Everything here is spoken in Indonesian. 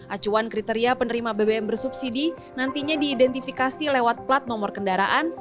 acuan kriteria penerima bbm bersubsidi nantinya diidentifikasi lewat plat nomor kendaraan